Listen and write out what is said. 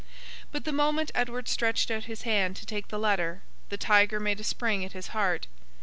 But, the moment Edward stretched out his hand to take the letter, the tiger made a spring at his heart.